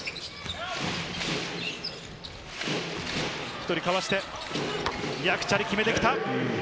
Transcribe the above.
１人かわして、ヤクチャリ決めてきた。